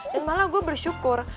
dan malah gue bersyukur